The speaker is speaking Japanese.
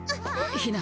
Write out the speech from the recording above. ひな。